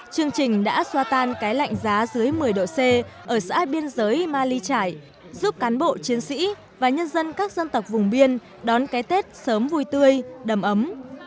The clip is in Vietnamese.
chương trình đã xoa tan cái lạnh giá dưới một mươi độ c ở xã biên giới ma ly trải giúp cán bộ chiến sĩ và nhân dân các dân tộc vùng biên đón cái tết sớm vui tươi đầm ấm